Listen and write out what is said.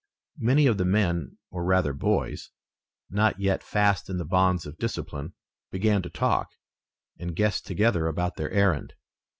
Many of the men, or rather boys, not yet fast in the bonds of discipline, began to talk, and guess together about their errand.